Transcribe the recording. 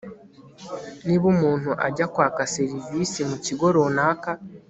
niba umuntu ajya kwaka serivisi mu kigo runaka